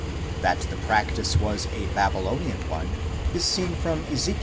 That the practice was a Babylonian one is seen from Ezek.